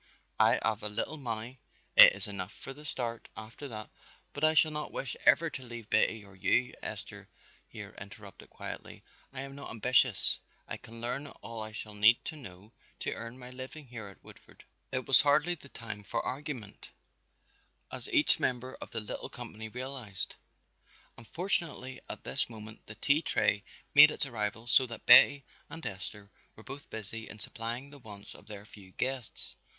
I haf a little money, it is enough for the start, after that " "But I shall not wish ever to leave Betty or you," Esther here interrupted quietly. "I am not ambitious; I can learn all I shall need to know to earn my living here in Woodford." It was hardly the time for argument, as each member of the little company realized, and fortunately at this moment the tea tray made its arrival so that Betty and Esther were both busy in supplying the wants of their few guests.